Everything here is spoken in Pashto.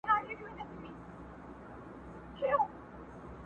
پر همدغه ځای دي پاته دښمني وي،